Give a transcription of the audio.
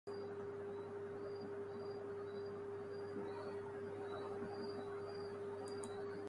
میری قبر کی مٹی سے بھی لوگ اینٹیں بنائی گے ۔